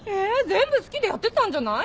全部好きでやってたんじゃないの？